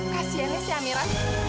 kasiannya si amira